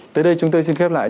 tới đây chúng tôi xin khép lại